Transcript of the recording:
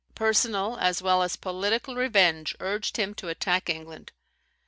] Personal as well as political revenge urged him to attack England.